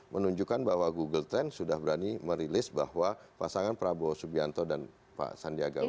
menunjukkan bahwa google ten sudah berani merilis bahwa pasangan prabowo subianto dan pak sandiaga uno